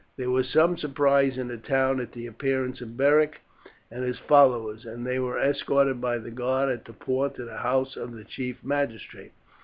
There was some surprise in the town at the appearance of Beric and his followers, and they were escorted by the guard at the port to the house of the chief magistrate.